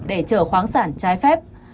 để chở khoáng sản trái phép